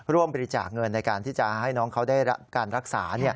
ร่วมบริจาคเงินในการที่จะให้น้องเขาได้รับการรักษา